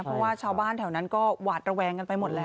เพราะว่าชาวบ้านแถวนั้นก็หวาดระแวงกันไปหมดแล้ว